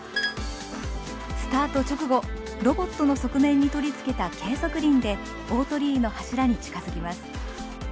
スタート直後ロボットの側面に取り付けた計測輪で大鳥居の柱に近づきます。